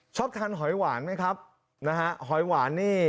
ชอบทานหอยหวานไหมครับนะฮะหอยหวานนี่